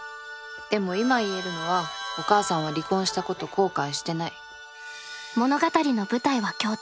でも今言えるのはお母さんは離婚したこと後悔してない。